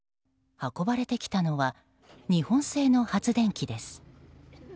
運ばれてきたのは日本製の発電機です。